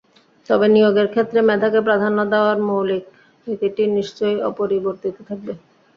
তবে নিয়োগের ক্ষেত্রে মেধাকে প্রাধান্য দেওয়ার মৌলিক নীতিটি নিশ্চয়ই অপরিবর্তিত থাকবে।